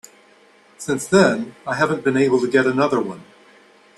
Since then I haven't been able to get another one.